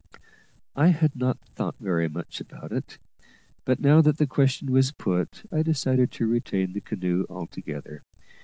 I had not thought very much about it, but now that the question was put, I decided to retain the canoe altogether.